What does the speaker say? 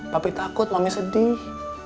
papi takut mami sedih